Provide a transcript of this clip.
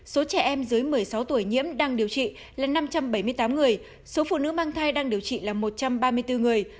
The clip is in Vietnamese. số trẻ em dưới một mươi sáu tuổi nhiễm đang điều trị là năm trăm bảy mươi tám người số phụ nữ mang thai đang điều trị là một trăm ba mươi bốn người